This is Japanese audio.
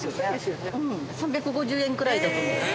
３５０円くらいだと。